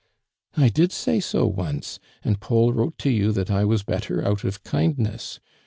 "I did say so once, and Paul wrote to you that I was better, out of kindness.